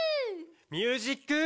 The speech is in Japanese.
ミュージック。